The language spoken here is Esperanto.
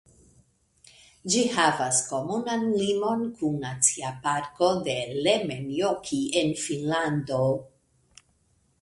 Ĝi havas komunan limon kun Nacia Parko de Lemmenjoki en Finnlando.